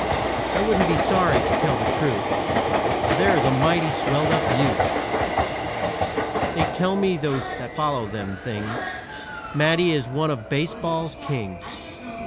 I wouldn't be sorry, to tell the truth, For there is a mighty swelled up youth! They tell me, those that follows them things, Matty is one of baseball's kings.